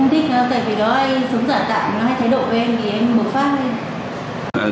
chị em không thích tại vì đó anh sống giả tạm nó hay thay đội em thì em bước phát